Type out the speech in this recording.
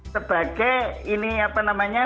sebagai ini apa namanya